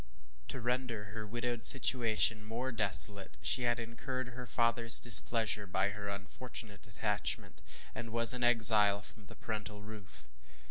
To render her widowed situation more desolate, she had incurred her fatherŌĆÖs displeasure by her unfortunate attachment, and was an exile from the parental roof.